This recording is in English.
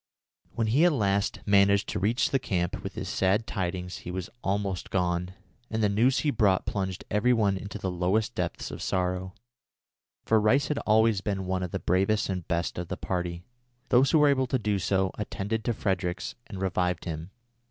When he at last managed to reach the camp with his sad tidings he was almost gone, and the news he brought plunged every one into the lowest depths of sorrow, for Rice had always been one of the bravest and best of the party. Those who were able to do so, attended to Fredericks and revived him.